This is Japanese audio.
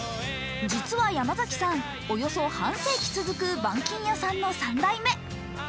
実は山崎さん、およそ半世紀続く板金屋さんの３代目。